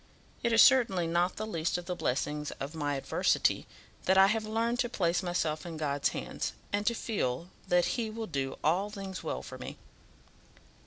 It is certainly not the least of the blessings of my adversity that I have learned to place myself in God's hands, and to feel that he will do all things well for me."